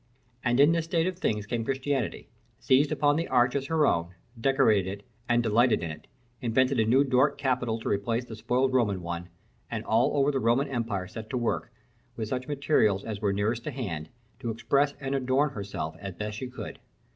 And in this state of things came Christianity: seized upon the arch as her own; decorated it, and delighted in it; invented a new Doric capital to replace the spoiled Roman one: and all over the Roman empire set to work, with such materials as were nearest at hand, to express and adorn herself as best she could.